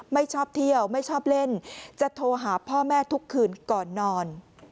ไม่ชอบเที่ยวไม่ชอบเล่นจะโทรหาพ่อแม่ทุกคืนก่อนนอน